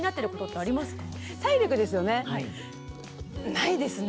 ないですね。